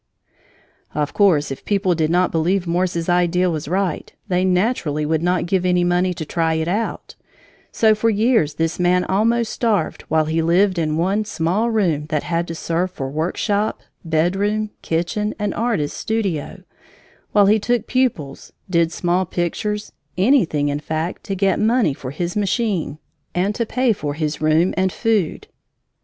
Of course, if people did not believe Morse's idea was right, they naturally would not give any money to try it out, so for years this man almost starved while he lived in one small room that had to serve for work shop, bedroom, kitchen, and artist's studio, while he took pupils, did small pictures, anything, in fact, to get money for his machine and to pay for his room and food.